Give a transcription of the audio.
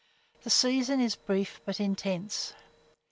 The season is brief but intense.